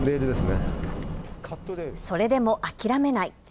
それでも諦めない。